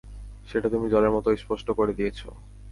সেটা তুমি জলের মতো স্পষ্ট করে দিয়েছো।